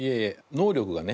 能力がね